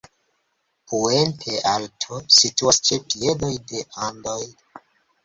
Puente Alto situas ĉe piedoj de Andoj.